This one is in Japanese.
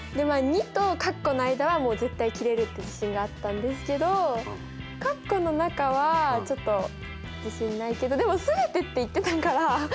２とかっこの間はもう絶対切れるって自信があったんですけどかっこの中はちょっと自信ないけどでも「全て」って言ってたから付けちゃおみたいな。